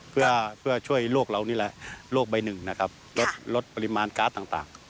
เพื่อช่วยโลกเรานี่แหละโรคใบหนึ่งนะครับลดปริมาณการ์ดต่าง